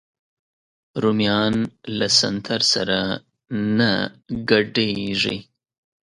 رومیان له سنتر سره نه ګډېږي